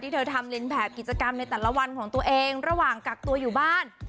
เธอทำเรียนแบบกิจกรรมในแต่ละวันของตัวเองระหว่างกักตัวอยู่บ้าน